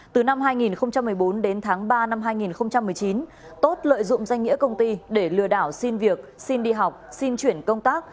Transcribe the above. từ năm hai nghìn một mươi bốn đến tháng ba năm hai nghìn một mươi chín tốt lợi dụng danh nghĩa công ty để lừa đảo xin việc xin đi học xin chuyển công tác